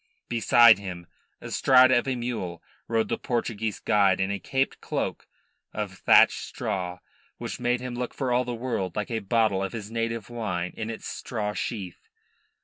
Beside him, astride of a mule, rode the Portuguese guide in a caped cloak of thatched straw, which made him look for all the world like a bottle of his native wine in its straw sheath.